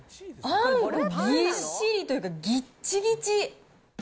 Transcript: あんこぎっちりというか、ぎっちぎち。